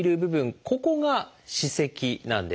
ここが歯石なんです。